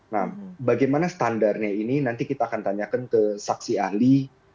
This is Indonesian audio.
nah bagaimana standarnya ini nanti kita akan tanyakan ke saksi ahli